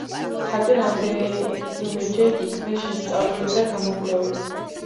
ხატი რამდენიმეჯერ იქნა შესწავლილი და გამოკვლეული.